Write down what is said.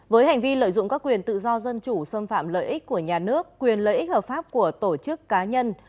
với hành vi lợi dụng các quyền tự do dân chủ xâm phạm lợi ích của nhà nước quyền lợi ích hợp pháp của tổ chức cá nhân